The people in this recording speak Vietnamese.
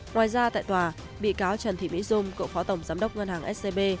ngoài ra tại tòa bị cáo trần thị mỹ dung cựu phó tổng giám đốc ngân hàng scb